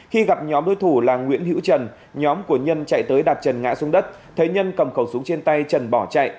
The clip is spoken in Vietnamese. khi gặp nhóm đối thủ là nguyễn hữu trần nhóm của nhân chạy tới đạp trần ngã xuống đất thấy nhân cầm khẩu súng trên tay trần bỏ chạy